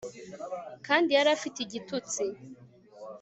Kandi yari afite igitutsi